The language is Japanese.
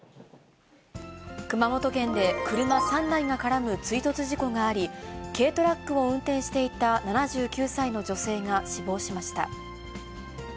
熊本県で、車３台が絡む追突事故があり、軽トラックを運転していた７９歳の女性が死亡しました。